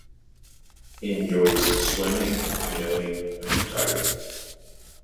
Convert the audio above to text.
He enjoys swimming, canoeing, and photography.